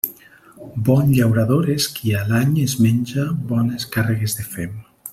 Bon llaurador és qui a l'any es menja bones càrregues de fem.